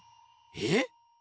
えっ？